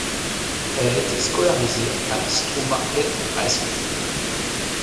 Elle a été scolarisée à la Stowmarket High School.